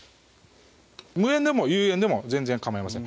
無塩でも有塩でも全然かまいません